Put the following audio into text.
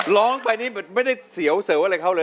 ร้องไปนี่ไม่ได้เสียวเสวอะไรเขาเลย